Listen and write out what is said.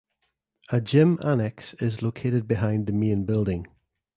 A gym annex is located behind the main building.